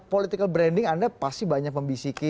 political branding anda pasti banyak membisiki